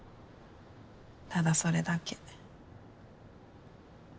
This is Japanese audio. ただそれだけ。